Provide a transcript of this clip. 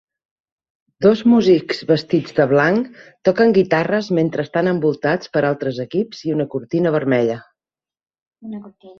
Dos músics vestits de blanc toquen guitarres mentre estan envoltats per altres equips i una cortina vermella.